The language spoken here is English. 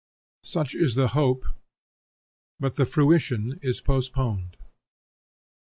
Such is the hope, but the fruition is postponed.